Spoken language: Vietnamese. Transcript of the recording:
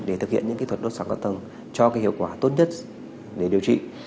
để thực hiện những cái thuật đốt sóng con tầng cho cái hiệu quả tốt nhất để điều trị